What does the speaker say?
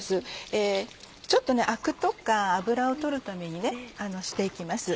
ちょっとアクとか脂を取るためにして行きます。